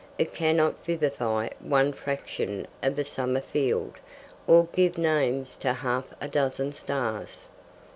It cannot vivify one fraction of a summer field, or give names to half a dozen stars.